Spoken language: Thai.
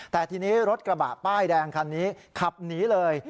แต่ทีนี้รถกระบะป้ายแดงคันนี้ขับหนีเลย